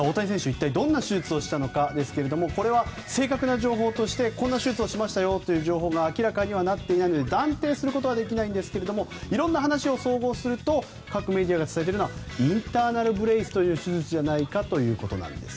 一体どんな手術をしたのかですがこれは正確な情報としてこんな手術をしましたよという情報は明らかにはなっていないので断定することはできないんですが色んな話を総合すると各メディアが伝えているのはインターナル・ブレースという手術じゃないかということなんです。